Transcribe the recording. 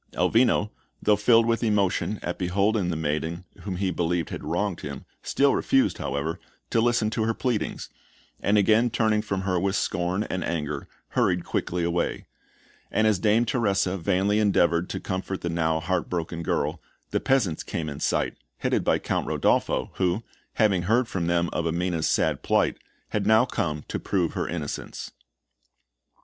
Elvino, though filled with emotion at beholding the maiden whom he believed had wronged him, still refused, however, to listen to her pleadings, and again turning from her with scorn and anger, hurried quickly away; and as Dame Teresa vainly endeavoured to comfort the now heart broken girl, the peasants came in sight, headed by Count Rodolpho, who, having heard from them of Amina's sad plight, had now come to prove her innocence.